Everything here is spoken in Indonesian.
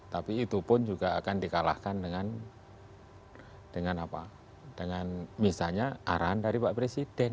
tapi itu pun juga akan di kalahkan dengan dengan apa dengan misalnya arahan dari pak presiden